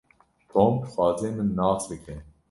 Tom dixwaze min nas bike.